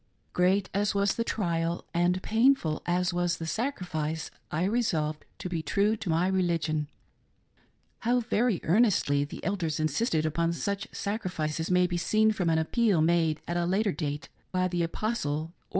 Great as was the trial, and painful as was the sacrifice, I resolved to be true to my religion. How very earnestly the elders insisted upon such sacrifices, may be seen from an appeal made at a later date by the " Apostle " Orsoii PILLARS OF THE MORMON CHURCH.